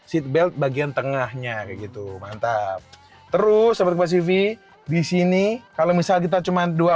seatbelt bagian tengahnya kayak gitu mantap terus sobat kepasivi disini kalau misal kita cuman dua